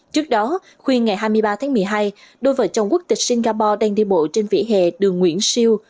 trước đó khuyên ngày hai mươi ba một mươi hai đôi vợ chồng quốc tịch singapore đang đi bộ trên vỉa hệ đường nguyễn siêu